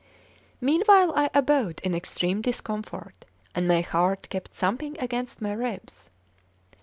Meanwhile I abode in extreme discomfort, and my heart kept thumping against my ribs.